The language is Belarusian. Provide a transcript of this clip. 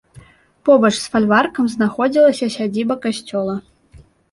Побач з фальваркам знаходзілася сядзіба касцёла.